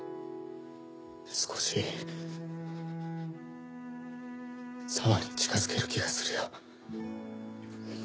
少し沙和に近づける気がするよ。